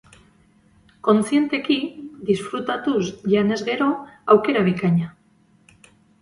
Kontzienteki, disfrutatuz janez gero, aukera bikaina.